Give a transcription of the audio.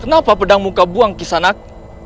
kenapa pedangmu kau buang kisanak